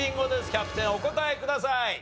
キャプテンお答えください。